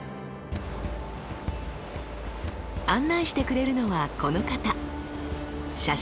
案内してくれるのはこの方。